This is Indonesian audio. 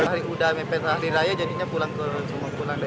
hari udah mepet hari raya jadinya pulang ke sumatera